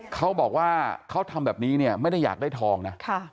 เขาบอกว่าเขาทำแบบนี้เนี่ยไม่ได้อยากได้ทองนะ